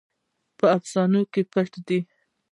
په افسانو کې پټ دی.